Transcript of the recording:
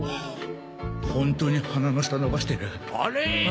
ホントに鼻の下伸ばしてるあれ？